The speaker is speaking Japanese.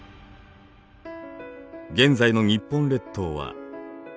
現在の日本列島は。